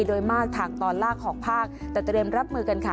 โดยมากทางตอนล่างของภาคแต่เตรียมรับมือกันค่ะ